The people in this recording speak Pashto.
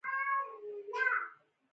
پسه خپل ګونګړی غږ لري.